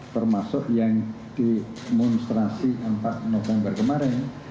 termasuk yang demonstrasi empat november kemarin